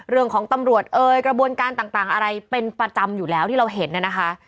เรื่องของตำรวจเอ่ยกระบวนการต่างอะไรเป็นประจำอยู่แล้วที่เราเห็นน่ะนะคะ